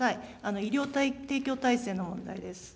医療提供体制の問題です。